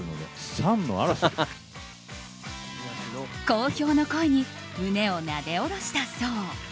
好評の声に胸をなで下ろしたそう。